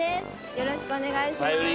よろしくお願いします。